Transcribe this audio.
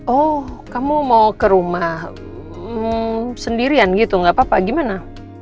oh kamu mau ke rumah sendirian gitu gak apa apa gimana